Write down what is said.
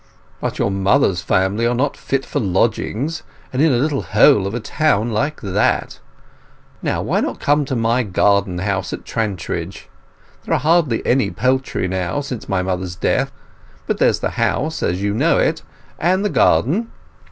"But your mother's family are not fit for lodgings, and in a little hole of a town like that. Now why not come to my garden house at Trantridge? There are hardly any poultry now, since my mother's death; but there's the house, as you know it, and the garden.